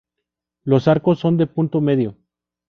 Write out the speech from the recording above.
Los arcos son de punto medio.